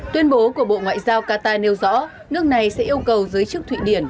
tuyên bố của bộ ngoại giao qatar nêu rõ nước này sẽ yêu cầu giới chức thụy điển